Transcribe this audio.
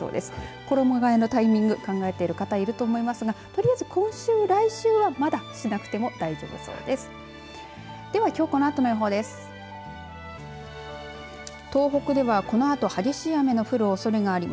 衣がえのタイミング考えている方いると思いますがとりあえず、今週、来週はまだしなくても大丈夫そうです。